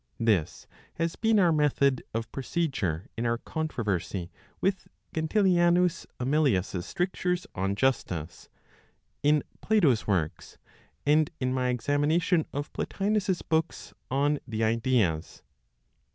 This has been our method of procedure in our controversy with Gentilianus Amelius's strictures on justice, in Plato's works; and in my examination of Plotinos's books on the Ideas.